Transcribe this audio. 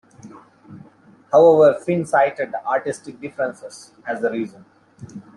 However Finn cited "artistic differences" as the reason.